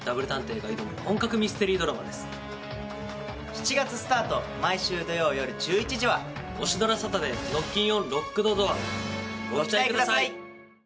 ７月スタート毎週土曜夜１１時はオシドラサタデー「ノッキンオン・ロックドドア」ご期待ください！